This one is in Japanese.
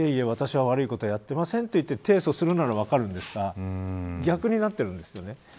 私は悪いことやってませんと言って提訴するなら分かるんですが逆になっているんですよね。